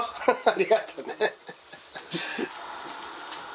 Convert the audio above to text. ありがとね。